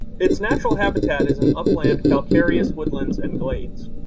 Its natural habitat is in upland calcareous woodlands and glades.